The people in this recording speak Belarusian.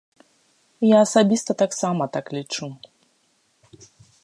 Я асабіста таксама так лічу.